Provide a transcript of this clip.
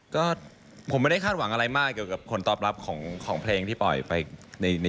ก็ผมไม่ได้คาดหวังอะไรมากเกี่ยวกับผลตอบรับของเพลงที่ปล่อยไป